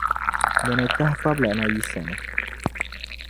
Bɛ ni tahi fabla na yi sani.